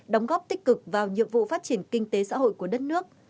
đóng góp tích cực vào nhiệm vụ phát triển kinh tế xã hội của đất nước